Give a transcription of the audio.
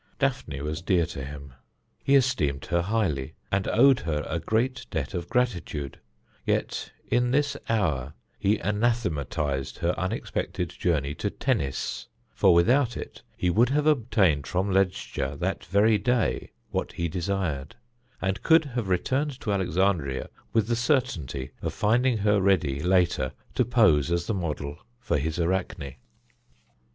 Daphne was dear to him. He esteemed her highly, and owed her a great debt of gratitude. Yet in this hour he anathematized her unexpected journey to Tennis; for without it he would have obtained from Ledscha that very day what he desired, and could have returned to Alexandria with the certainty of finding her ready later to pose as the model for his Arachne.